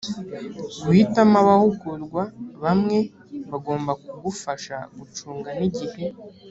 guhitamo abahugurwa bamwe bagomba kugufasha gucunga igihe